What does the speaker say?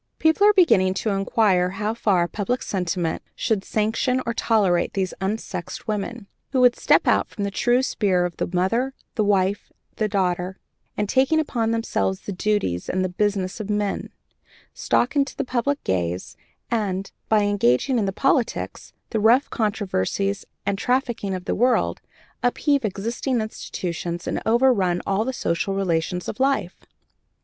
"People are beginning to inquire how far public sentiment should sanction or tolerate these unsexed women, who would step out from the true sphere of the mother, the wife, and the daughter, and taking upon themselves the duties and the business of men, stalk into the public gaze, and, by engaging in the politics, the rough controversies and trafficking of the world, upheave existing institutions, and overrun all the social relations of life.